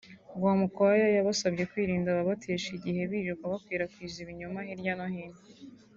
Rwamukwaya yabasabye kwirinda “ababatesha igihe birirwa bakwirakwiza ibinyoma hirya no hino